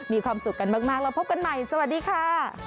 มีความสุขกันมากเราพบกันใหม่สวัสดีค่ะ